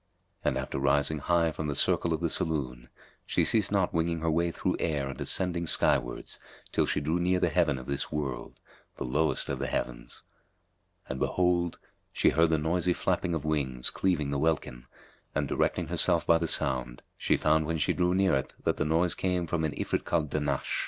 And after rising high from the circle of the saloon she ceased not winging her way through air and ascending skywards till she drew near the heaven of this world, the lowest of the heavens. And behold, she heard the noisy flapping of wings cleaving the welkin and, directing herself by the sound, she found when she drew near it that the noise came from an Ifrit called Dahnash.